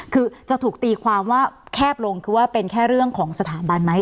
คือจะถูกตีความว่าแคบลงคือว่าเป็นแค่เรื่องของสถาบันไหม